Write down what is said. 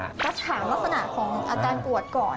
ก็ถามลักษณะของอาการปวดก่อน